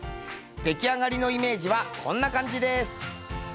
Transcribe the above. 出来上がりのイメージはこんな感じです。